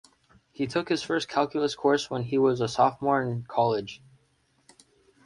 He took his first calculus course when he was a sophomore in college.